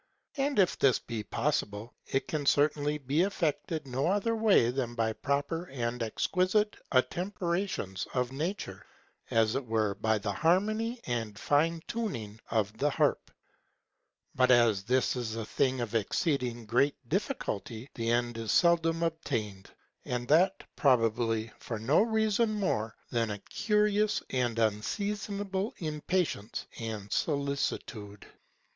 And if this be possible, it can certainly be effected no other way than by proper and exquisite attemperations of nature; as it were by the harmony and fine touching of the harp. But as this is a thing of exceeding great difficulty, the end is seldom obtained; and that, probably, for no reason more than a curious and unseasonable impatience and solicitude.